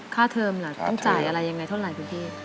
เทอมล่ะต้องจ่ายอะไรยังไงเท่าไหร่คุณพี่